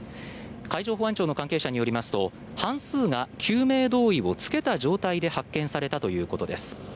海上保安庁の関係者によりますと半数が救命胴衣を着けた状態で発見されたということです。